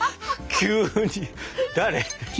急に誰？